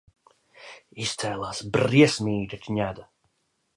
Izcēlās briesmīga kņada!